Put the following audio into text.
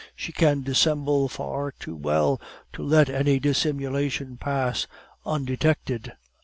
She can dissemble far too well to let any dissimulation pass undetected.